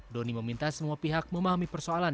doni meminta semua pihak memahami persoalan